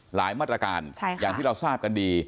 มาตรการอย่างที่เราทราบกันดี